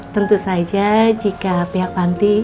tentu saja jika pihak panti